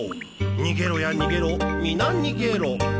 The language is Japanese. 逃げろや逃げろ皆逃げろ。